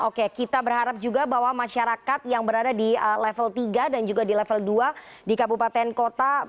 oke kita berharap juga bahwa masyarakat yang berada di level tiga dan juga di level dua di kabupaten kota